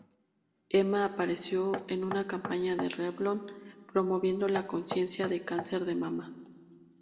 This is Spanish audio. Emma apareció en una campaña de Revlon promoviendo la concienciación del cáncer de mama.